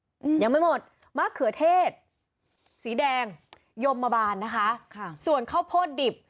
อืมยังไม่หมดมะเขือเทศสีแดงยมมาบานนะคะค่ะส่วนข้าวโพดดิบ